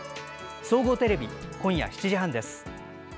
総合テレビ今夜７時半です。